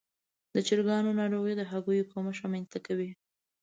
د چرګانو ناروغي د هګیو کمښت رامنځته کوي.